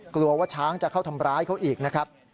กลัวว่าช้างจะเข้าทำร้ายเขาอีกนะครับ